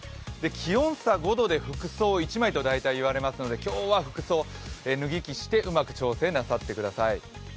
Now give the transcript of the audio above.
気温差５度で服装１枚と大体言われますので今日は服装、脱ぎ着してうまく調整なさってください。